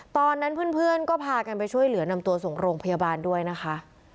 ตอนนั้นเพื่อนก็พากันไปช่วยเหลือนำตัวส่งโรงพยาบาลด้วยนะคะ